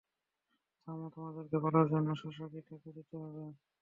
থামো, তোমাদেরকে পালার জন্য শসাকে টাকা দিতে হবে।